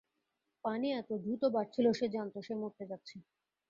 পানি এতো দ্রুত বাড়ছিল, সে জানতো সে মরতে যাচ্ছে।